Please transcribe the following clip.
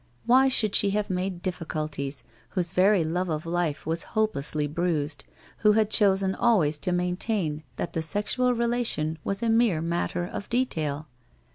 Why should she have made diffi culties, whose very love of life was hopelessly bruised, who had chosen always to maintain that the sexual relation was a mere matter of detail